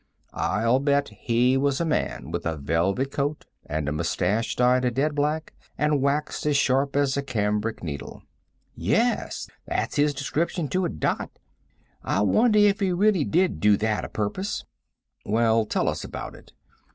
I'll bet he was a man with a velvet coat, and a moustache dyed a dead black and waxed as sharp as a cambric needle." "Yes; that's his description to a dot. I wonder if he really did do that a purpose." "Well, tell us about it.